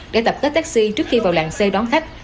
để tập kết taxi trước khi vào làng xe đón khách